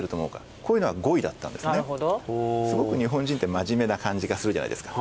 すごく日本人ってまじめな感じがするじゃないですか。